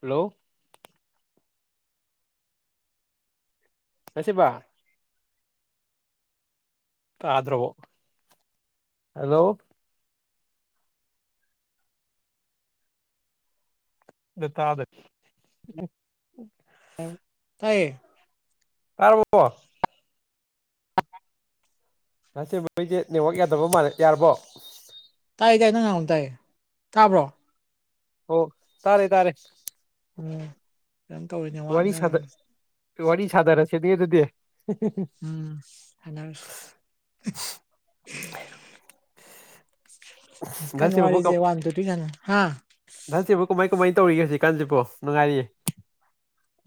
hello ꯉꯁꯤꯕ ꯄꯥꯗ꯭ꯔꯕꯣ hello ꯗꯠꯇꯥꯗ ꯇꯥꯏꯌꯦ ꯀꯔꯔꯕꯣ ꯉꯁꯦ ꯃꯣꯏꯁꯦ ꯅꯦꯠꯋꯥꯛ ꯌꯥꯗꯕ ꯃꯥꯜꯂ ꯌꯥꯔꯕꯣ ꯇꯥꯏ ꯇꯥꯏꯌꯦ ꯅꯪ ꯉꯥꯡꯝ ꯇꯥꯏꯌꯦ ꯇꯥꯕ꯭ꯔꯣ ꯑꯣ ꯇꯥꯔꯦ ꯇꯥꯔꯦ ꯎꯝ ꯀꯝ ꯇꯧꯔꯤꯅꯦ ꯋꯥꯔꯤ ꯋꯥꯠꯅꯤ ꯁꯥꯗ ꯋꯥꯔꯤ ꯁꯥꯗꯔꯁꯦ ꯑꯗꯨ ꯑꯗꯨꯗꯤ ꯎꯝ ꯍꯂ ꯁꯤꯕꯕꯨ ꯀ ꯋꯥꯟ ꯇꯨ ꯊ꯭ꯔꯤ ꯁꯥꯟꯅ ꯍꯥ ꯁꯤ ꯕꯨ ꯀꯃꯥꯏ ꯀꯃꯥꯏꯅ ꯇꯧꯔꯤꯒꯦ ꯍꯧꯖꯤꯛꯀꯥꯟꯁꯤꯕꯣ ꯅꯨꯡꯉꯥꯏꯔꯤꯌꯦ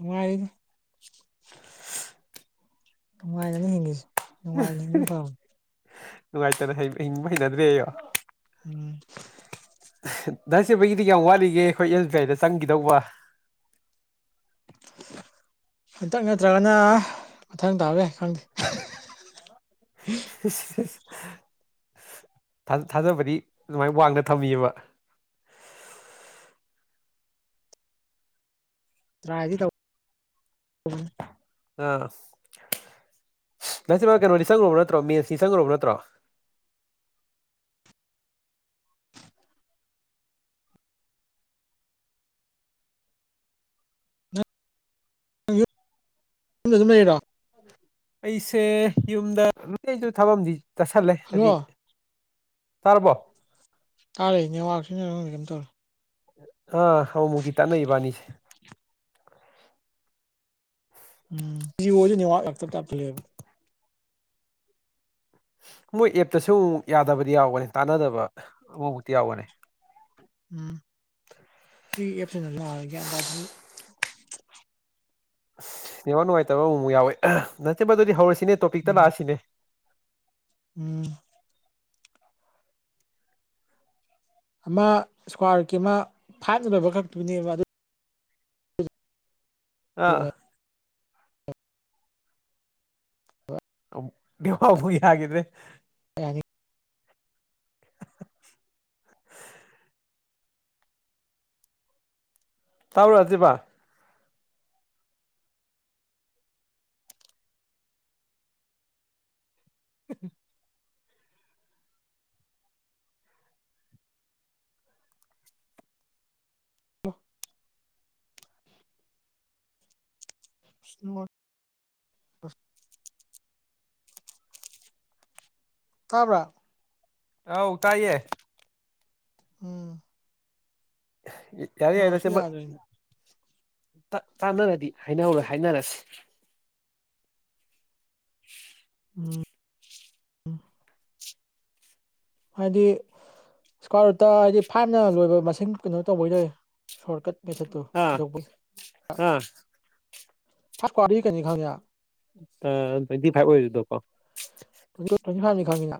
ꯑ ꯑꯩꯗ [inaudible] ꯅꯨꯡꯉꯥꯏꯅꯅ ꯍꯤꯡꯉꯁꯤ ꯅꯨꯡꯉꯥꯏꯅ ꯍꯤꯡꯕꯅꯤ ꯄꯅꯤ ꯅꯨꯡꯉꯥꯏꯇꯅ ꯍꯤꯡꯕ ꯍꯩꯅꯗ꯭ꯔꯦ ꯑꯩꯣ ꯎꯝ ꯗꯥꯁꯦꯕꯒꯤꯗꯤ ꯌꯥꯝ ꯋꯥꯠꯂꯤꯒꯦ ꯑꯩꯈꯣꯏ ꯑꯦꯁ ꯕꯤ ꯑꯥꯏꯗ ꯆꯪꯈꯤꯗꯧꯕ ꯍꯟꯇꯛ ꯅꯠꯇ꯭ꯔꯒꯅ ꯃꯊꯪ ꯇꯥꯕ ꯌꯥꯏ ꯈꯪꯗꯦ [inaudible] ꯊꯥꯖꯕꯗꯤ ꯑꯗꯨꯃꯥꯏꯅ ꯋꯥꯡꯗ ꯊꯝꯃꯤꯑꯕ [inaudible] ꯇꯥꯏꯗꯤ ꯇꯧ ꯑꯥ ꯅꯁꯤꯃ ꯀꯩꯅꯣꯅꯤ ꯁꯪꯉ꯭ꯔꯨꯕ ꯅꯠꯇ꯭ꯔꯣ ꯃꯦꯟꯁꯅꯤ ꯁꯪꯈ꯭ꯔꯨꯕ ꯅꯠꯇ꯭ꯔꯣ ꯌꯨꯝꯗꯗꯨꯝ ꯂꯩꯔꯥ ꯑꯩꯁꯦ ꯌꯨꯝꯗ ꯂꯗ ꯊꯕꯝꯗꯤ ꯆꯠꯁꯤꯜꯂꯦ ꯍꯜꯂꯣ ꯍꯥꯏꯗꯤ ꯇꯔꯕꯣ ꯇꯥꯔꯦꯅꯦ ꯋꯥꯥꯛꯁꯤ ꯀꯝ ꯇꯧꯔꯦ ꯑꯥ ꯍꯥꯎ ꯃꯨꯒ ꯒꯤ ꯇ ꯅ ꯏꯕꯥꯅꯤꯁꯤ ꯎꯝ ꯇꯕ ꯃꯣꯏ ꯑꯦꯞꯇꯁꯨ ꯑꯃꯨꯛ ꯌꯥꯗꯕꯗꯤ ꯌꯥꯎꯒꯅꯤ ꯇꯥꯟꯅꯗꯕ ꯑꯃꯃꯨꯛꯇꯤ ꯌꯥꯎꯒꯅꯤ ꯎꯝ ꯁꯤ ꯑꯦꯞꯁꯤꯅꯁꯨ ꯍ ꯒ꯭ꯌꯥꯟ ꯇꯥꯗꯗꯤ ꯑꯅꯦꯋꯥ ꯅꯨꯡꯉꯥꯏꯇꯕ ꯑꯃꯃꯨꯛ ꯌꯥꯎꯋꯦ ꯅꯆꯦꯕ ꯑꯗꯨꯗꯤ ꯍꯧꯔꯁꯤꯅꯦ ꯇꯣꯄꯤꯛꯇ ꯎꯝ ꯂꯥꯛꯑꯁꯤꯅꯦ ꯎꯝ ꯑꯃ ꯏꯁꯀ꯭ꯋꯥꯔꯒꯤ ꯑꯃ ꯐꯥꯏꯚ ꯂꯕ ꯈꯛꯇꯨꯅꯦꯕ ꯑꯗꯨ ꯑꯥ ꯕꯨ ꯍꯥꯏꯒꯗ꯭ꯔꯦ ꯐꯦ [inaudible] ꯇꯥꯎꯔꯛꯑꯁꯤꯦꯕ [inaudible] [inaudible] ꯇꯥꯕ꯭ꯔꯥ ꯑꯥꯎ ꯎ ꯇꯏꯌꯦ ꯎꯝ ꯌꯥꯔ ꯍꯥꯏꯅ ꯅꯦꯠꯋꯥꯛꯁꯨ ꯁꯤꯦ ꯌꯥꯗ꯭ꯔꯦꯅꯦ ꯇꯥꯟꯅꯔꯗꯤ ꯍꯥꯏꯅꯍꯧꯔꯣꯏ ꯍꯥꯏꯅꯔꯁꯤ [inaudible] ꯎꯝ ꯎꯝ ꯍꯥꯏꯗꯤ ꯏꯁꯀ꯭ꯋꯥꯔ ꯔꯠꯇ ꯍꯥꯏꯗꯤ ꯐꯥꯏꯞꯅ ꯂꯣꯏꯕ ꯃꯁꯤꯡ ꯀꯩꯅꯣ ꯇꯧꯕꯩꯗꯏ ꯁꯣꯔꯠ ꯀꯠ ꯃꯦꯊꯠꯇꯨ ꯑꯥ ꯄꯨꯊꯣꯛꯄꯩ ꯐꯥꯔꯁ ꯑꯥ ꯁꯀ꯭ꯋꯥꯗꯤ ꯀꯩꯩꯅ ꯈꯪꯉꯤꯅ ꯑ ꯇ꯭ꯋꯦꯟꯇꯤ ꯐꯥꯏꯚ ꯑꯣꯏꯔꯤꯗꫭꯀꯣ ꯇ꯭ꯋꯦꯟꯇꯤ ꯇ꯭ꯋꯦꯟꯇꯤ ꯐꯥꯏꯚꯅꯤ ꯈꯪꯉꯤꯅ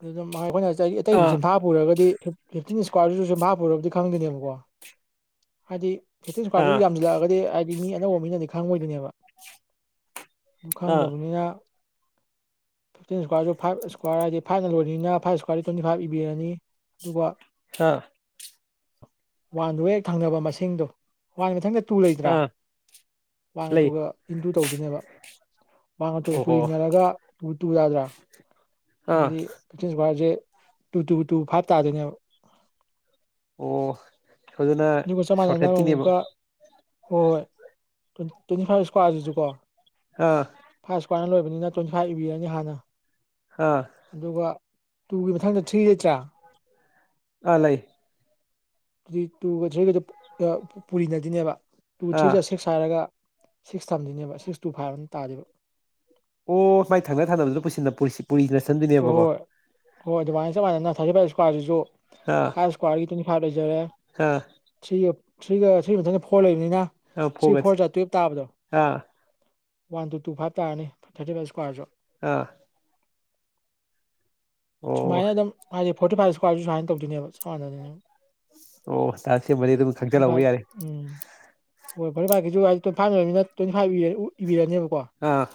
ꯑꯗꯨꯗ ꯑꯩꯈꯣꯏꯅ ꯑꯇꯩꯗꯨ ꯑꯥ ꯆꯦꯟꯐꯥ ꯄꯨꯔꯒꯗꯤ ꯐꯤꯞꯇꯤꯟ ꯏꯁꯀ꯭ꯋꯥꯔꯁꯨ ꯆꯤꯝꯐꯥ ꯄꯨꯔꯕꯗꯤ ꯈꯪꯗꯦꯅꯦꯕꯀꯣ ꯍꯥꯏꯗꯤ ꯐꯦꯇꯔꯤ ꯑꯥ ꯁꯨꯀꯥꯔꯁꯨ ꯌꯥꯝꯁꯤꯜꯂꯛꯑꯒꯗꯤ ꯍꯥꯏꯗꯤ ꯃꯤ ꯑꯅꯧꯕ ꯃꯤꯅꯗꯤ ꯈꯪꯉꯣꯏꯗꯣꯏꯅꯦꯕ ꯑꯗꯨ ꯑꯥ ꯈꯪꯗꯕꯅꯤꯅ ꯐꯤꯞꯇꯤꯟ ꯏꯁꯀ꯭ꯋꯥꯔꯁꯨ ꯐꯥꯏꯚ ꯏꯁꯀ꯭ꯋꯥꯔꯗꯤ ꯐꯥꯏꯚꯅ ꯂꯣꯏꯔꯤꯅꯤꯅ ꯐꯥꯏꯚ ꯏꯁꯀ꯭ꯋꯥꯔꯗꯤ ꯇ꯭ꯋꯦꯟꯇꯤ ꯐꯥꯏꯚ ꯏꯕꯤꯔꯅꯤ ꯑꯗꯨꯒ ꯍꯥ ꯋꯥꯟꯗꯨꯒ ꯍꯦꯛ ꯊꯪꯅꯕ ꯃꯁꯤꯡꯗꯣ ꯋꯥꯟ ꯃꯊꯪꯗ ꯇꯨ ꯂꯩꯗ꯭ꯔꯥ ꯑꯥ ꯋꯥꯟꯒ ꯂꯩ ꯇꯨꯒ ꯏꯟꯇꯨ ꯇꯧꯗꯣꯏꯅꯦꯕ ꯋꯥꯟꯒ ꯇꯨꯒ ꯑꯣꯍꯣ ꯄꯨꯔꯤꯅꯔꯒ ꯇꯨ ꯇꯨ ꯌꯥꯗ꯭ꯔꯥ ꯑꯥ ꯑꯗꯨꯗꯤ ꯐꯤꯐꯇꯤꯟ ꯁꯦ ꯇꯨ ꯇꯨ ꯇꯨ ꯐꯥꯞ ꯇꯥꯗꯣꯏꯅꯦꯕ ꯑꯣ ꯁꯣꯏꯗꯨꯅ ꯑꯗꯨꯒ ꯆꯞ ꯃꯥꯟꯅꯅ ꯁꯣꯔꯠꯀꯠꯀꯤꯅꯦꯕ ꯑꯃꯨꯛꯀ ꯍꯣꯏ ꯍꯣꯏ ꯇ꯭ꯋꯦꯟꯇꯤ ꯐꯥꯏꯚ ꯏꯁꯀ꯭ꯋꯥꯔꯁꯤꯁꯨ ꯀꯣ ꯍꯥ ꯂꯣꯏꯕꯅꯤꯅ ꯇ꯭ꯋꯦꯟꯇꯤ ꯐꯥꯏꯚ ꯏꯕꯤꯔꯅꯤ ꯍꯥꯟꯅ ꯑꯥ ꯑꯗꯨꯒ ꯇꯨꯒꯤ ꯃꯊꯪꯗ ꯊ꯭ꯔꯤ ꯂꯩꯇ‌꯭ꯔꯥ ꯑꯥ ꯂꯩ ꯑꯗꯨꯗꯤ ꯇꯨꯒ ꯊ꯭ꯔꯤꯒꯗꯨ ꯄꯨꯔꯤꯅꯗꫭꯏꯅꯦꯕ ꯇꯨ ꯊ꯭ꯔꯤ ꯑꯥ ꯖꯥ ꯁꯤꯛꯁ ꯍꯥꯏꯔꯒ ꯁꯤꯛꯁ ꯊꯝꯗꯣꯏꯅꯦꯕ ꯁꯤꯛꯁ ꯇꯨ ꯐꯥꯏꯚ ꯑꯅ ꯇꯥꯗꫭꯏꯕ ꯑꯣ ꯃꯥꯏ ꯊꯪꯅ ꯊꯪꯅꯕꯨꯗ ꯄꯨꯁꯤꯟꯅ ꯄꯨꯁꯤꯟ ꯍꯣꯏ ꯍꯣꯏ ꯍꯣꯏ ꯑꯗꯨꯃꯥꯏꯅ ꯆꯞ ꯃꯅꯅ ꯊꯥꯔꯇꯤ ꯐꯥꯏꯚ ꯏꯁꯀ꯭ꯋꯥꯔꯁꯤꯁꯨ ꯑꯥ ꯐꯥꯏꯚ ꯏꯁꯀ꯭ꯋꯥꯔꯒꯤ ꯇ꯭ꯋꯦꯟꯇꯤ ꯐꯥꯏꯚ ꯖꯔꯦ ꯑꯥ ꯊ꯭ꯔꯤꯒ ꯊ꯭ꯔꯤꯒꯤ ꯃꯊꯪꯗ ꯐꯣꯔ ꯅ ꯑꯥ ꯊ꯭ꯔꯤ ꯐꯣꯒꯁꯦ ꯐꯣꯔ ꯖꯥ ꯇꯨꯋꯦꯜꯕ ꯇꯥꯕꯗꯣ ꯑꯥ ꯋꯥꯟ ꯇꯨ ꯇꯨ ꯐꯥꯏꯚ ꯇꯥꯔꯅꯤ ꯊꯥꯔꯇꯤ ꯐꯥꯏꯚ ꯏꯁꯀ꯭ꯋꯥꯔꯁꯨ ꯑꯥ ꯑꯣ ꯁꯨꯃꯥꯏꯅ ꯑꯗꯨꯝ ꯍꯥꯏꯗꯤ ꯐꯣꯔꯇꯤ ꯐꯥꯏꯚ ꯏꯁꯀ꯭ꯋꯥꯔꯁꯨ ꯁꯨꯃꯥꯏꯅ ꯇꯧꯗꯣꯏꯅꯦꯕ ꯆꯞ ꯃꯥꯟꯅ ꯗꫭꯏꯅꯦꯕ ꯑꯣ ꯇꯥꯛꯁ ꯍꯦꯡꯕꯗꯩ ꯑꯗꯨꯝ ꯐꯣꯔꯇꯤ ꯐꯥꯏꯚ ꯈꯪꯖꯟꯍꯧꯕ ꯌꯥꯔꯦ ꯎꯝ ꯍꯣꯏ ꯐꫭꯔꯤꯐꯥꯏꯐꯀꯤꯁꯨ ꯍꯥꯏꯗꯤ ꯇ꯭ꯋ ꯐꯥ ꯂꯩꯔꯅꯤꯅ ꯇ꯭ꯋꯦꯟꯇꯤꯥꯏꯚ ꯏꯕꯤꯔꯅꯦꯕ ꯑꯥ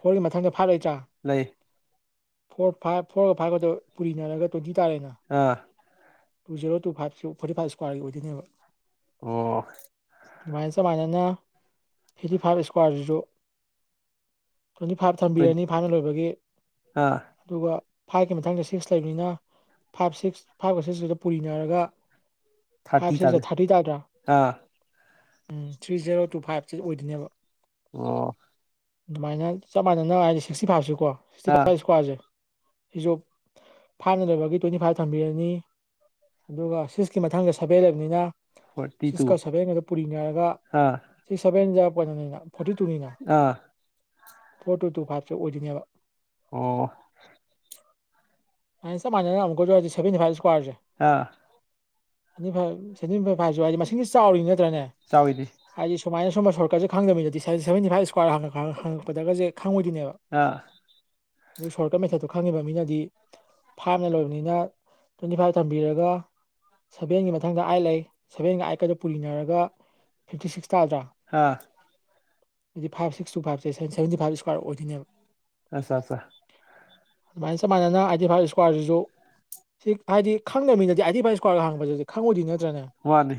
ꯐꯣꯔꯒꯤ ꯃꯊꯪꯗ ꯐꯥꯏꯚ ꯂꯩꯇ꯭ꯔꯥ ꯂꯩ ꯐꯣꯔ ꯐꯥꯏꯚ ꯐꯣꯔꯒ ꯐꯥꯏꯚꯀꯗ ꯄꯨꯔꯤꯅꯔꯒ ꯇ꯭ꯋꯦꯟꯇꯤ ꯍꯥꯏꯇꯥꯔꯦꯅꯦ ꯑꯥ ꯇꯨ ꯖꯦꯔꯣ ꯇꯨ ꯐꯥꯏꯚꯁꯨ ꯐꯣꯔꯇꯤ ꯐꯥꯏꯚ ꯁꯀ꯭ꯋꯥꯔꯒꯤ ꯑꯣꯏꯗꯣꯏꯅꯦꯕ ꯑꯣ ꯑꯗꯨꯃꯥꯏꯅ ꯆꯞꯃꯥꯟꯅꯅ ꯐꯤꯐꯇꯤ ꯐꯥꯏꯚ ꯏꯁꯀ꯭ꯋꯥꯔꯁꯤꯁꯨ ꯇ꯭ꯋꯦꯟꯇꯤ ꯐꯥꯏꯚ ꯇ꯭ꯋꯦꯟꯇꯤ ꯊꯝꯕꯤꯔꯅꯤ ꯐꯥꯏꯚꯅ ꯂꯣꯏꯕꯒꯤ ꯑꯥ ꯑꯗꯨꯒ ꯐꯥꯏꯚꯀꯤ ꯃꯊꯪꯗ ꯁꯤꯛꯁ ꯂꯩꯕꯅꯤꯅ ꯐꯥꯏꯚ ꯁꯤꯛꯁ ꯐꯥꯏꯚꯀ ꯁꯤꯛꯁꯒꯇꯨ ꯄꯨꯔꯤꯅꯔꯒ ꯊꯥꯔꯇꯤ ꯐꯥꯏꯚ ꯁꯤꯛꯁ ꯖꯥ ꯇꯥꯗꯣꯏ ꯊꯥꯔꯇꯤ ꯇꯥꯗ꯭ꯔꯥ ꯑꯥ ꯎꯝ ꯊ꯭ꯔꯤ ꯖꯦꯔꯣ ꯇꯨ ꯐꯥꯏꯚꯁꯤ ꯑꯣꯏꯗꯣꯏꯅꯦꯕ ꯑꯣ ꯑꯗꯨꯃꯥꯏꯅ ꯆꯞ ꯃꯥꯟꯅꯅ ꯍꯥꯏꯗꯤ ꯁꯤꯛꯁꯇꯤ ꯐꯥꯏꯚꯁꯤꯀꯣ ꯁꯤꯛꯁꯇꯤ ꯑꯥ ꯐꯥꯏꯚ ꯏꯁꯀ꯭ꯋꯥꯔꯁꯦ ꯍꯤꯖꯣꯞ ꯐꯥꯏꯚꯅ ꯂꫭꯏꯕꯒꯤ ꯇ꯭ꯋꯦꯟꯇꯤ ꯐꯥꯏꯚ ꯊꯝꯕꯤꯔꯅꯤ ꯑꯗꯨꯒ ꯁꯤꯛꯁꯀꯤ ꯃꯊꯪꯗ ꯁꯚꯦꯟ ꯂꯩꯕꯅꯤꯅ ꯐꯣꯔꯇꯤ ꯇꯨ ꯁꯤꯛꯁꯀ ꯁꯦꯚꯦꯟꯒꯗꯨ ꯄꯨꯔꯤꯅꯦꯔꯒ ꯑꯥ ꯁꯤꯛꯁ ꯁꯚꯦꯟ ꯖꯥ ꯄꫭꯅꯅꯤꯅ ꯐꯣꯔꯇꯤ ꯇꯨꯅꯤꯅ ꯑꯥ ꯐꯣꯔ ꯇꯨ ꯇꯨ ꯐꯥꯏꯚꯁꯦ ꯑꯣꯏꯗꯣꯏꯅꯦꯕ ꯑꯣ ꯑꯥꯏ ꯆꯞ ꯃꯥꯟꯅꯅ ꯑꯃꯨꯛꯀ ꯍꯥꯏꯖꯦ ꯁꯚꯦꯟꯇꯤ ꯐꯥꯏꯚ ꯁ꯭ꯀꯋꯥꯔ ꯖꯦ ꯑꯥ ꯁꯚꯦꯟꯇꯤ ꯐꯥꯏꯚ ꯁꯚꯦꯟꯇꯤꯐꯥꯏꯚꯁꯨ ꯍꯥꯏꯗꯤ ꯃꯁꯤꯡꯁꯤ ꯆꯥꯎꯔꯤ ꯅꯠꯇ꯭ꯔꯅꯦ ꯆꯥꯎꯋꯤꯅꯦ ꯍꯥꯏꯗꯤ ꯁꯨꯃꯥꯏꯅ ꯑꯁꯨꯝꯕ ꯁꯣꯔꯠ ꯀꯠꯁꯦ ꯈꯪꯗꯕ ꯃꯤꯗꯗꯤ ꯁꯚꯦꯟꯇꯤ ꯐꯥꯏꯚ ꯏꯁꯀ꯭ꯋꯥꯔ ꯍꯅ ꯍꯪꯉꯄꯗꯒꯁꯦ ꯈꯪꯉꯣꯏꯗꯣꯏꯅꯦꯕ ꯑꯥ [inaudible] ꯁꯣꯔꯠꯀꯠ ꯃꯦꯊꯠꯇꯣ ꯈꯪꯉꯗꯕ ꯃꯤꯅꯗꯤ ꯐꯥꯏꯅ ꯂꯣꯏꯕꯅꯤꯅ ꯇ꯭ꯋꯦꯟꯇꯤ ꯐꯥꯏꯚ ꯊꯝꯕꯤꯔꯒ ꯁꯦꯚꯦꯟꯒꯤ ꯃꯊꯪꯗ ꯑꯥꯏꯠ ꯂꯩ ꯁꯦꯚꯦꯟꯒ ꯑꯥꯏꯠꯀꯗ ꯄꯨꯔꯤꯅꯔꯒ ꯐꯤꯞꯇꯤ ꯁꯤꯛꯁ ꯇꯥꯗ꯭ꯔꯥ ꯑꯥ ꯍꯥꯏꯗꯤ ꯐꯥꯏꯚ ꯁꯤꯛꯁ ꯇꯨ ꯐꯥꯏꯚꯁꯦ ꯁꯚꯦꯟꯇꯤ ꯐꯥꯏꯚ ꯏꯁꯀ꯭ꯋꯥꯔ ꯑꯣꯏꯗꯣꯏꯅꯦꯕ ꯑꯁ ꯑꯁ ꯑꯗꯨꯃꯥꯏꯅ ꯁꯨꯃꯥꯏꯅꯅ ꯑꯠꯇꯤ ꯐꯥꯏꯚ ꯏꯁꯀ꯭ꯋꯥꯔꯁꯤꯁꯨ ꯁꯤ ꯍꯥꯏꯗꯤ ꯈꯪꯗꯅꯕꯃꯤꯅꯗꯤ ꯑꯥꯏꯗꯤꯤꯚꯥꯏ ꯏꯁꯀ꯭ꯋꯥꯔꯒ ꯍꯥꯡꯕꯁꯤꯗꯤ ꯈꯪꯉꯣꯏꯗꯤ ꯅꯠꯇ ꯋꯥꯅꯤ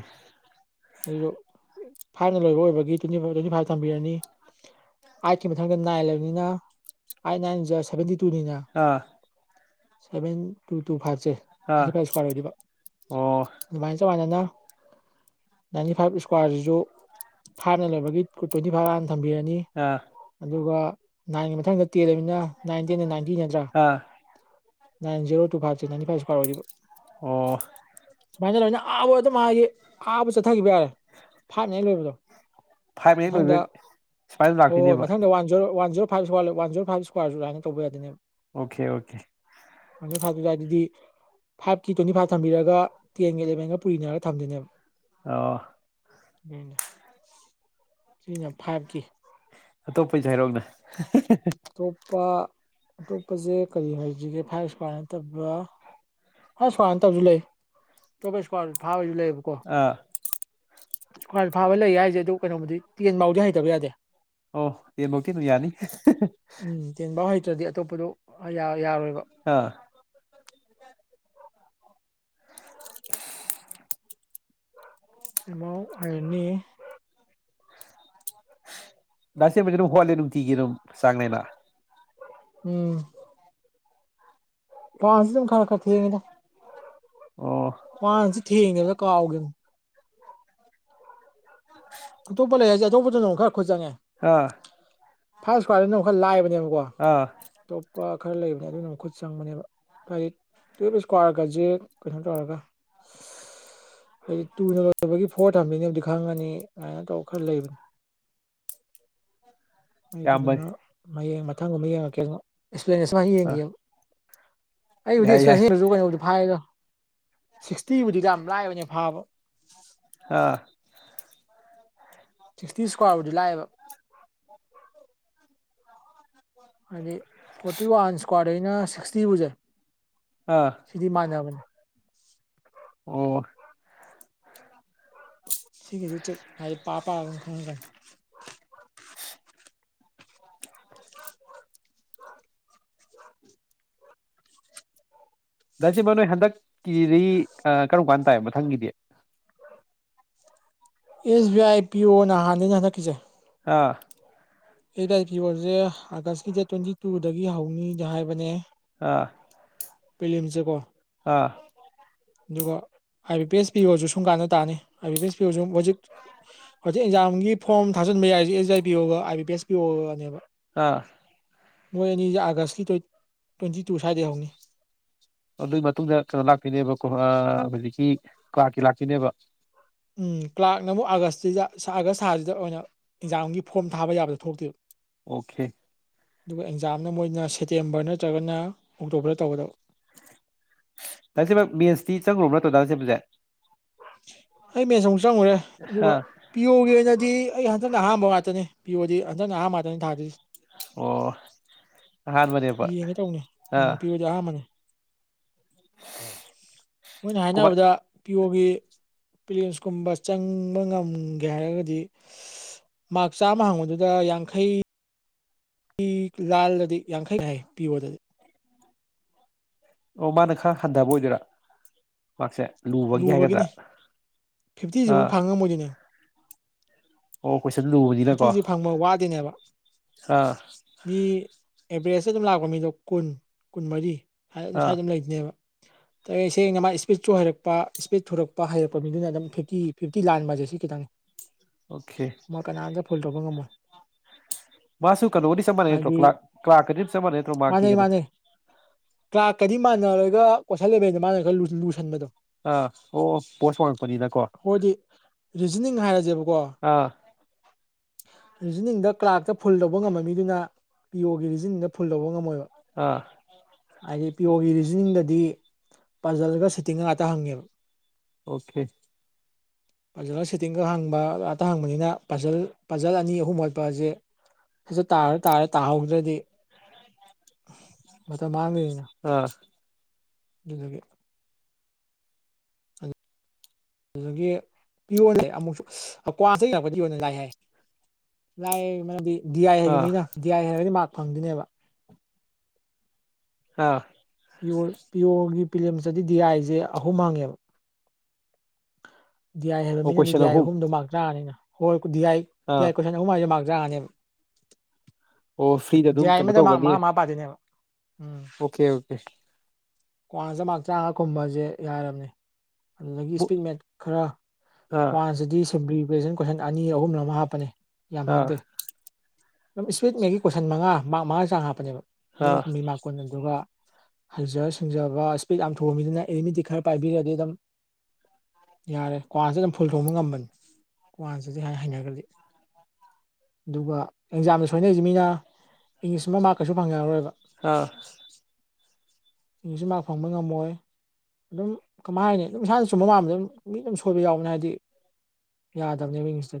ꯑꯗꯨꯗꯣ ꯐꯥꯏꯚꯅ ꯂꯣꯏꯕ ꯑꯣꯏꯕꯒꯤ ꯇ꯭ꯋꯦꯟꯇꯤ ꯐꯥꯏꯚ ꯇ꯭ꯋꯦꯟꯇꯤ ꯐꯥꯏꯚ ꯊꯝꯕꯤꯔꯅꯤ ꯑꯥꯏꯠꯀꯤ ꯃꯊꯪꯗ ꯅꯥꯏꯂꯕꯅꯤꯅ ꯑꯥꯏꯠ ꯅꯥꯏꯟ ꯆꯠ ꯁꯚꯦꯟꯇꯤ ꯇꯨꯅꯤꯅ ꯑꯥ ꯁꯚꯦꯟ ꯇꯨ ꯇꯨ ꯐꯥꯏꯚ ꯁꯦ ꯑꯥ ꯍꯥꯏꯗꯤ ꯐꯥꯏꯚ ꯏꯁꯀ꯭ꯋꯥꯔ ꯑꯣꯏꯔꯤꯕ ꯑꯣ ꯑꯗꯨꯃꯥꯏꯅ ꯆꯃꯥꯟꯅꯅ ꯅꯥꯏꯟꯇꯤ ꯐꯥꯏꯚ ꯏꯁꯀ꯭ꯋꯥꯔꯁꯤꯁꯨ ꯐꯥꯅ ꯂꯩꯕꯒꯤ ꯇ꯭ꯋꯦꯟꯇꯤ ꯐꯥꯏꯚ ꯊꯝꯕꯤꯔꯅꯤ ꯑꯥ ꯑꯗꯨꯒ ꯅꯥꯏꯟꯒꯤ ꯃꯊꯪꯗ ꯇꯦꯜꯂꯕꯅ ꯅꯥꯏꯟ ꯇꯦꯟꯗ ꯅꯥꯏꯟ ꯀꯤ ꯅꯠꯇ꯭ꯔꯥ ꯑꯥ ꯅꯥꯏꯟ ꯖꯦꯔꯣ ꯇꯨ ꯐꯥꯏꯚꯁꯦ ꯅꯥꯏꯟ ꯐꯥꯏꯚ ꯏꯁꯀ꯭ꯋꯥꯔ ꯑꯣꯏꯔꯤꯕ ꯑꯣ ꯁꯨꯃꯥꯏꯅ ꯇꯅꯤꯅ ꯑꯥꯕ ꯑꯗꯨꯝ ꯃꯥꯒꯤ ꯑꯥꯕ ꯆꯠꯊꯈꯤꯕ ꯌꯥꯔꯦ ꯐꯥꯠꯅꯦ ꯂꯣꯏꯕꯗꯣ ꯐꯥꯏꯚ ꯃꯤꯅꯤꯠ ꯂꯣꯏꯕ ꯃꯊꯪꯗ ꯁꯨꯃꯥꯏꯅ ꯍꯣꯏ ꯍꯣꯏ ꯂꯥꯛꯇꯣꯏꯅꯦꯕ ꯃꯊꯪꯗ ꯋꯥꯟ ꯖꯣ ꯋꯥꯟ ꯖꯣꯔꯣ ꯐꯥꯏ ꯏꯁ꯭ꯋꯥꯔ ꯋꯥ ꯔ ꯐꯥꯏꯚ ꯏꯁꯀꯋꯥꯔꯁꯨ ꯑꯗꯨꯥꯏꯅ ꯇꯧꯕ ꯌꯥꯗꯅꯦ ꯑꯣꯀꯦ ꯑꯣꯀꯦ ꯃ ꯐꯥꯇꯗꯥꯗꯤ ꯐꯥꯏꯚꯀꯤ ꯇ꯭ꯋꯦꯟꯇꯤ ꯐꯥꯏꯚ ꯊꯝꯕꯤꯔꯒ ꯇꯦꯟꯒ ꯑꯦꯂꯦꯚꯦꯟꯒ ꯄꯨꯔꯤꯅꯔꯒ ꯊꯝꯗꯣꯏꯅꯦꯕ ꯑ ꯎꯅꯦ ꯁꯤꯔꯤꯅ ꯐꯥꯏꯚꯀꯤ ꯑꯇꯣꯞꯄꯩꯁꯨ ꯍꯔꯣꯛꯅ ꯑꯇꯣꯞꯄ ꯑꯇꯣꯞꯄꯁꯦ ꯀꯔꯤ ꯍꯥꯏꯁꯤꯒꯦ ꯐꯥꯏꯔ ꯏꯁꯀ꯭ꯋꯥꯔ ꯅꯠꯇꯕ ꯑ ꯁ꯭ꯃꯅ ꯇꯧꯁꯨ ꯂꯩ ꯇ ꯀꯩꯁꯨ ꯐꯥꯕꯁꯨ ꯂꯩ ꯑꯥ ꯁꯀꯋꯥ ꯐꯥꯕ ꯂꯩꯌꯦ ꯍꯥꯏꯁꯦ ꯑꯗꯨ ꯀꯩꯅꯣꯕꯨꯗꯤ ꯇꯦꯟ ꯐꯎꯗꯤ ꯍꯩꯇꯕ ꯌꯥꯗꯦ ꯑꯣ ꯌꯦ ꯃꯣ ꯀ ꯅꯨ ꯌꯥꯅꯤ ꯎꯝ ꯇꯦꯡꯕꯥ ꯍꯩꯇ꯭ꯔꯗꯤ ꯑꯇꯣꯞꯄꯗꯣ ꯌꯥꯔꯣꯏ ꯑꯥ [unintelligible] [inaudible] ꯇꯤꯝꯥꯎ ꯑꯥꯏꯦꯟꯅꯤ ꯁꯤꯦ ꯍꯣꯂ ꯅ ꯊꯤꯒꯤꯦꯅ ꯆꯥꯡꯅꯅ ꯎꯝ ꯄꯁꯤ ꯑꯗꯨꯝ ꯈꯔ ꯈꯔ ꯊꯑꯗ ꯑꯣ ꯋꯥꯥꯟꯁꯤ ꯊꯦꯡꯉꯦꯕꯗ ꯀꯥꯎꯒꯦ ꯑꯇꯣꯞꯄ ꯂꯩꯔꯁꯦ ꯑꯇꯣꯞꯄꯗꯅ ꯑꯃꯨꯛ ꯈꯔ ꯈꯨꯠ ꯆꯪꯉꯦ ꯑꯥ ꯐꯥꯔ ꯏꯁ ꯑꯃꯨꯛ ꯈꯔ ꯂꯥꯏꯕꯅꯦꯕ ꯋꯥ ꯑꯥ ꯑꯇꯣꯞꯄ ꯈꯔ ꯂꯩꯕꯅꯦ ꯑꯗꯨꯅ ꯃꯈꯠ ꯆꯪꯕꯅꯦꯕ ꯍꯥꯏꯗꯤ ꯇꯨꯋ ꯏꯁꯀ꯭ꯋꯥꯔꯒꯁꯖꯦ ꯀꯩꯅꯣ ꯇꯧꯔꯒ ꯎ ꯍꯥꯏꯗꯤ ꯇꯨꯅ ꯂꯣꯏꯕꯒꯤ ꯐꯣꯔ ꯊꯝꯕꯤꯅꯦꯕꯨꯗꯤ ꯈꯪꯉꯅꯤ ꯑꯗꯨꯃꯥꯏꯅ ꯇꯧꯔ ꯈꯔ ꯂꯩꯕꯅꯤ ꯌꯥꯝꯕꯅꯤ ꯑꯩꯗꯨꯗꯨꯅ ꯃꯌꯦꯡ ꯃꯊꯪꯒꯨꯝꯕ ꯌꯦꯡꯉꯛꯀꯦ ꯑꯦꯛꯁꯄ꯭ꯂꯦꯅꯦꯟꯁ ꯃꯥ ꯑꯥ ꯌꯦꯡꯈꯤꯑꯕ ꯑꯩꯕꯨꯗꯤ ꯌꯥꯏ ꯌꯥꯏ ꯏꯁꯄꯁꯁꯨ ꯀꯩꯅꯣꯕꯨꯗꯤ ꯐꯥꯏꯔꯣ ꯁꯤꯛꯁꯇꯤꯕꯨꯗꯤ ꯌꯥꯝ ꯂꯥꯏꯕꯅꯦ ꯐꯥꯕ ꯑꯥ ꯁꯤꯛꯁꯇꯤ ꯏꯁꯀ꯭ꯋꯥꯔꯕꯨꯗꯤ ꯂꯥꯛꯑꯦꯕ ꯑꯗ ꯐꯣꯔꯇꯤ ꯋꯥꯟ ꯏꯁꯀ꯭ꯋꯥꯔꯗꯩꯅ ꯁꯤꯛꯁꯇꯤꯕꯨꯁꯦ ꯑꯥ ꯁꯤꯗꯤ ꯃꯥꯟꯅꯕꯅꯦ ꯑꯣ ꯁꯤꯒꯤ ꯇꯔꯤꯛ ꯍꯥꯏ ꯄꯥ ꯄꯥꯔꯒ ꯈꯡꯉꯛꯀꯅꯤ [unintelligible] ꯗꯥ ꯁꯤꯃꯣꯟ ꯅꯣꯏ ꯍꯟꯗꯛꯀꯤꯗꯤ ꯀꯔꯝ ꯀꯥꯟ ꯇꯥꯏ ꯃꯊꯪꯒꯤꯗꯤ ꯑꯦꯁ ꯕꯤ ꯑꯥꯏ ꯄꯤ ꯑꯣ ꯅ ꯍꯥꯟꯗꯣꯏꯅꯦ ꯍꯟꯗꯛꯀꯤꯁꯦ ꯑꯥ ꯑꯦꯁ ꯕꯤ ꯑꯥꯢ ꯄꯤꯌꯣꯁꯦ ꯑꯥꯒꯁꯀꯤ ꯗꯦꯠ ꯇ꯭ꯋꯦꯟꯇꯤ ꯇꯨꯗꯒꯤ ꯍꯧꯅꯤꯗꯤ ꯍꯥꯏꯕꯅꯦ ꯑꯥ ꯄꯔꯤꯂꯤꯝꯁꯁꯦꯀꯣ ꯑꯥ ꯑꯗꯨꯒ ꯑꯥꯏ ꯕꯤ ꯄꯤ ꯑꯦꯁ ꯄꯤ ꯑꯣꯁꯨ ꯁꯨꯡ ꯀꯥꯟꯅ ꯇꯥꯅꯤ ꯑꯥꯏ ꯕꯤ ꯄꯤ ꯑꯦꯁ ꯄꯤ ꯑꯣꯁꯨ ꯍꯧꯖꯤꯛ ꯍꯧꯖꯤꯛ ꯑꯦꯛꯖꯥꯝꯒꯤ ꯐꯣꯔꯝ ꯊꯥꯖꯜ ꯕ ꯌꯥꯏꯁꯦ ꯑꯦꯁ B I P ꯑꯣꯒ I B P S P ꯑꯣꯒꯅꯦꯕ ꯑꯥ ꯃꯣꯏ ꯑꯅꯤꯁꯦ ꯑꯥꯒꯁꯀꯤ ꯇꯋꯦꯟꯇꯤ ꯇꯨ ꯁꯋꯥꯏꯗꯩ ꯍꯧꯅꯤ ꯑꯗꯨꯒꯤ ꯃꯇꯨꯡꯗ ꯀꯩꯅꯣ ꯂꯥꯛꯇꯣꯏꯅꯦꯕꯀꯣ ꯍꯧꯖꯤꯛꯀꯤ ꯀꯂꯥꯔꯛꯀꯤ ꯂꯥꯛꯇꯣꯏꯅꯦꯕ ꯎꯝ ꯀ꯭ꯂꯥꯔꯛꯅ ꯑꯃꯨꯛ ꯑꯥꯒꯁꯁꯤꯗ ꯑꯥꯒꯁ ꯊꯥꯁꯤꯗ ꯑꯣꯏꯅ ꯑꯦꯛꯖꯥꯝꯒꯤ ꯐꯣꯔꯝ ꯊꯥꯕ ꯌꯥꯕꯗꯣ ꯊꯣꯛꯂꯛꯇꯣꯏꯕ ꯑꯣꯀꯦ ꯑꯗꯨꯒ ꯑꯦꯛꯖꯥꯝꯅ ꯃꯣꯏꯅ ꯁꯦꯞꯇꯦꯝꯕꯔ ꯅꯠꯇ꯭ꯔꯒꯅ ꯑꯣꯛꯇꯣꯕꯔꯗ ꯇꯧꯒꯗꯕ ꯗꯥ ꯂꯟꯆꯦꯟꯕ ꯃꯦꯟꯁꯇꯤ ꯆꯪꯉꯨꯔꯕ ꯅꯠꯇꯔꯣ ꯗꯥ ꯂꯟꯆꯦꯟꯕꯁꯦ ꯑꯩ ꯃꯦꯟꯁ ꯑꯃꯨꯛ ꯆꯪꯉꯨꯔꯦ ꯑꯗꯨꯒ ꯑꯥ ꯄꯤꯌꯣꯒꯤ ꯑꯣꯏꯅꯗꯤ ꯑꯩ ꯍꯟꯗꯛꯅ ꯑꯍꯥꯟꯕ ꯉꯥꯛꯇꯅꯦ ꯄꯤ ꯑꯣ ꯗꯤ ꯍꯟꯗꯛꯅ ꯑꯍꯥꯟꯕ ꯉꯥꯛꯇꯅꯤ ꯊꯥꯗꯣꯏꯁꯦ ꯑꯣ ꯑꯍꯥꯟꯕꯅꯦꯕ ꯌꯦꯡꯒꯦ ꯇꯧꯅꯦ ꯎꯝ ꯑꯥ ꯄꯤ ꯑꯣꯗꯤ ꯑꯍꯥꯟꯕꯅꯦ ꯃꯣꯏꯅ ꯀꯃꯥꯏ ꯍꯥꯏꯅꯕꯗ ꯄꯤ ꯑꯣꯒꯤ ꯄꯔꯦꯂꯤꯝꯁꯀꯨꯝꯕ ꯆꯪꯕ ꯉꯝꯒꯦ ꯍꯥꯏꯔꯒꯗꯤ ꯃꯥꯔꯛ ꯆꯥꯝꯃ ꯍꯪꯕꯗꯨꯗ ꯌꯥꯡꯈꯩ ꯂꯥꯜꯂꯗꯤ ꯌꯥꯡꯈꯩꯅꯦ ꯍꯥꯏ ꯄꯤ ꯑꯣꯗꯗꯤ ꯑꯣ ꯃꯥꯅ ꯈꯔ ꯍꯟꯊꯕ ꯑꯣꯏꯗꯣꯏꯔ ꯃꯥꯔꯛꯁꯦ ꯂꯨꯕꯒꯤ ꯍꯥꯏꯒꯗ꯭ꯔ ꯂꯨꯕꯒꯤꯅꯤ ꯐꯤꯐꯇꯤꯁꯤꯕꯨ ꯑꯥ ꯐꯪꯉꯝꯃꯣꯏꯗꯣꯏꯅꯦ ꯑꯣ ꯀꯣꯏꯁꯟ ꯂꯨꯕꯅꯤꯅꯀꯣ ꯐꯤꯞꯇꯤꯁꯦ ꯐꯪꯕ ꯋꯥꯗꯣꯏꯅꯦꯕ ꯑꯥ ꯃꯤ ꯑꯦꯕꯔꯦꯖꯇ ꯑꯗꯨꯝ ꯂꯥꯛꯄ ꯃꯤꯗꯣ ꯀꯨꯟ ꯀꯨꯟꯃꯔꯤ ꯑꯥ ꯁ꯭ꯋꯥꯏꯗ ꯑꯗꯨꯝ ꯂꯩꯗꯣꯏꯅꯦꯕ [inaudible] ꯁꯦꯡꯅ ꯃꯥ ꯏꯁꯄꯤꯠꯁꯨꯨ ꯍꯩꯔꯛꯄ ꯏꯁꯄꯤꯠ ꯊꯨꯔꯛꯄ ꯍꯩꯔꯛꯄ ꯃꯤꯗꯨꯅ ꯑꯗꯨꯝ ꯐꯤꯞꯇꯤ ꯐꯤꯞꯇꯤ ꯂꯥꯟꯕꯁꯦ ꯁꯤ ꯈꯤꯇꯪꯅꯤ ꯑꯣꯀꯦ ꯀꯅꯥꯝꯇ ꯐꯨꯜ ꯇꯧꯕ ꯉꯝꯃꯣꯏ ꯃꯥꯁꯨ ꯀꯩꯅꯣꯗꯤ ꯆꯞ ꯃꯥꯟꯅꯩ ꯅꯠꯇ꯭ꯔꯣ ꯍꯥꯏꯗꯤ ꯀꯂꯥꯔꯛ ꯀꯂꯥꯔꯛꯀꯗꯤ ꯆꯞ ꯃꯥꯟꯅꯩ ꯅꯠꯇ꯭ꯔꯣ ꯃꯥꯔꯛꯀꯤ ꯀꯩꯅꯣ ꯗꯤ ꯃꯥꯟꯅꯔꯒ ꯀꯣꯏꯁꯜ ꯂꯦꯕꯦꯜꯗ‌ꯣ ꯃꯥꯅ ꯈꯔ ꯂꯨꯁꯟꯕꯗꯣ ꯑ ꯑꯣ ꯄꯣꯁ ꯋꯥꯡꯉꯛꯄꯅꯤꯅꯀꯣ ꯑꯩꯈꯣꯏꯗꯤ ꯔꯤꯖꯅꯤꯡ ꯍꯥꯏꯔꯁꯦꯕꯀꯣ ꯑꯥ ꯔꯤꯖꯅꯤꯡꯗ ꯀꯂꯥꯔꯛꯇ ꯐꯨꯜ ꯇꯧꯕ ꯉꯝꯕꯃꯤꯗꯨꯅ ꯄꯤ ꯑꯣꯒꯤ ꯔꯤꯖꯅꯤꯡꯗ ꯐꯨꯜ ꯇꯧꯕ ꯉꯝꯃꯣꯏꯕ ꯑꯥ ꯍꯥꯏꯗꯤ ꯄꯤ ꯑꯣꯒꯤ ꯔꯤꯖꯅꯤꯡꯗꯗꯤ ꯄꯥꯖꯜꯒ ꯁꯤꯠꯇꯤꯡꯒ ꯉꯥꯛꯇ ꯍꯪꯉꯦꯕ ꯑꯣꯀꯦ ꯐꯖꯅ ꯁꯤꯠꯇꯤꯡꯒ ꯍꯡꯕ ꯉꯥꯛꯇ ꯍꯡꯕꯅꯤꯅ ꯄꯖꯜ ꯄꯖꯜ ꯑꯅꯤ ꯑꯍꯨꯝ ꯌꯥꯠꯄꯁꯦ ꯐꯖꯅ ꯇꯥꯔꯗꯤ ꯇꯥꯔꯦ ꯇꯥꯍꯧꯗ꯭ꯔꯗꯤ ꯍ [unintelligible] ꯃꯇꯝ ꯃꯥꯡꯗꯣꯏꯅꯤꯅ ꯑꯗꯨꯗꯨꯒꯤ ꯑꯗꯨꯗꯒꯤ ꯄꯤ ꯑꯣꯁꯦ ꯑꯃꯨꯛꯁꯨ ꯀꯋꯥꯟꯇ ꯍꯡꯉꯛꯄ ꯑꯣꯏꯅꯗꯤ ꯂꯥꯏ ꯍꯥꯏ ꯂꯥꯏ ꯃꯔꯝꯗꯤ D I ah ꯍꯩꯔꯤꯕꯅꯤꯅ D I ꯍꯩꯔꯒꯗꯤ mark ꯐꯪꯗꯣꯏꯅꯦꯕ ꯑꯥ ꯄꯤ ꯑꯣ ꯄꯤ ꯑꯣꯒꯤ ꯄ꯭ꯔꯤꯂꯤꯝꯁ ꯇꯗꯤ ꯗꯤ ꯑꯥꯏꯁꯦ ꯑꯍꯨꯝ ꯍꯪꯉꯦꯕ ꯗꯤ ꯑꯥꯏ ꯍꯥꯏꯕ ꯑꯣ ꯃꯤꯅ ꯗꯤ ꯀꯣꯏꯁꯟ ꯑꯥꯏ ꯑꯍꯨꯝ ꯑꯍꯨꯝꯗꯣ ꯃꯥꯛ ꯇ꯭ꯔꯥꯅꯤꯅ ꯍꯣꯏ ꯗꯤ ꯑꯥꯏ ꯗꯤ ꯑꯥ ꯑꯥꯏ ꯀꯣꯏꯁꯟ ꯑꯍꯨꯝ ꯍꯥꯁ‌ꯦ ꯃꯥꯛ ꯇ꯭ꯔꯥꯉꯥꯅꯦꯕ ꯑꯣ ꯐ꯭ꯔꯤꯗ ꯗꯤ ꯑꯗꯨꯝ ꯌꯥꯏ ꯀꯩꯅꯣ ꯑꯃꯗ ꯃꯥꯛ ꯇꯧꯒꯅꯤ ꯃꯥꯉꯥ ꯃꯉꯥ ꯄꯥꯗ‌ꯣꯏꯅꯦꯕ ꯑꯣꯀꯦ ꯑꯣꯀꯦ ꯑꯦꯗꯚꯟꯁꯇ ꯃꯥꯛ ꯇ꯭ꯔꯥꯉꯥ ꯈꯨꯝꯕ ꯍꯥꯏꯁꯦ ꯌꯥꯔꯕꯅꯤ ꯑꯗꯨꯗꯒꯤ ꯏꯁꯄꯤꯠ ꯃꯦꯠ ꯈꯔ ꯑꯥ ꯀ꯭ꯋꯥꯟꯁꯤꯗꯤ ꯁꯦꯝꯕ꯭ꯂꯤ ꯒ꯭ꯔꯦꯖꯨꯟ ꯀꯣꯏꯁꯟ ꯑꯅꯤ ꯑꯍꯨꯝ ꯑꯃ ꯍꯥꯞꯄꯅꯤ ꯌꯥꯝ ꯑꯥ ꯍꯥꯞꯇꯦ ꯑꯗꯨ ꯏꯁꯋꯤꯠ ꯃ‌ꯦꯠꯒꯤ ꯀꯣꯏꯁꯟ ꯃꯉꯥ ꯃꯥꯛ ꯃꯉꯥꯏ ꯆꯥꯡ ꯍꯥꯞꯄꯅꯦꯕ ꯑꯥ ꯑꯗꯨꯃꯛ ꯀꯨꯝꯕꯤ ꯃꯥ ꯀꯨꯟ ꯑꯗꯨꯒ ꯍꯩꯖꯥ ꯁꯤꯡ ꯁꯤꯡꯖꯕ ꯏꯁꯄꯤꯠ ꯌꯥꯝ ꯊꯨꯕ ꯃꯤꯗꯨꯅ ꯑꯦꯔꯤꯠꯃ‌ꯦꯇꯤꯛ ꯈꯔ ꯄꯥꯏꯕꯤꯔꯗꯤ ꯑꯗꯨꯝ ꯌꯥꯔꯦ ꯀ꯭ꯋꯥꯁꯤ ꯑꯗꯨꯝ ꯐꯨꯜ ꯇꯧꯕ ꯉꯝꯕꯅꯤ ꯀ꯭ꯋꯥꯁꯤꯗꯤ ꯍꯥꯏ ꯍꯩꯅꯈ꯭ꯔꯗꯤ ꯑꯗꯨꯒ ꯑꯦꯛꯖꯥꯝꯗ ꯁꯣꯏꯅꯔꯤꯁꯤ ꯃꯤꯅ ꯏꯪꯂꯤꯁ ꯑꯃ ꯃꯥꯔꯛ ꯀꯩꯁꯨ ꯐꯪꯅꯔꯣꯏꯕ ꯑꯥ ꯏꯪꯂꯤꯁꯁꯨ ꯃꯥꯛ ꯐꯪꯕ ꯉꯝꯃꯣꯏ ꯑꯗꯨꯝ ꯀꯃꯥꯏ ꯍꯥꯏꯅꯤ ꯑꯗꯨꯝ ꯏꯁꯥꯅ ꯆꯨꯝꯕ ꯃꯥꯟꯕꯗ ꯑꯗꯨꯝ ꯃꯤ ꯑꯗꯨꯝ ꯁꯣꯏꯕ ꯌꯥꯎꯕꯅ‌ꯦ ꯍꯥꯏꯗꯤ ꯌꯥꯗꯕꯅꯦ ꯏꯪꯂꯤꯁꯇꯗꯤ